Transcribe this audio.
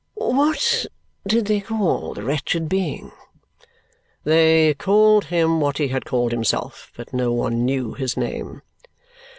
"What did they call the wretched being?" "They called him what he had called himself, but no one knew his name."